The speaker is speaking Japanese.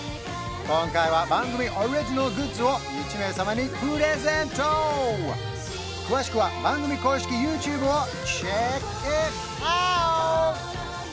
今回は番組オリジナルグッズを１名様にプレゼント詳しくは番組公式ＹｏｕＴｕｂｅをｃｈｅｃｋｉｔｏｕｔ！